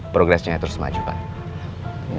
progresnya terus maju kan